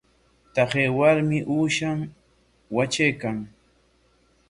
Taqay warmi uushan watraykan.